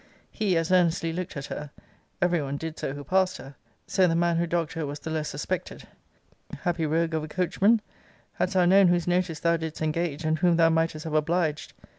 He as earnestly looked at her. Every one did so who passed her, (so the man who dogged her was the less suspected.') Happy rogue of a coachman, hadst thou known whose notice thou didst engage, and whom thou mightest have obliged!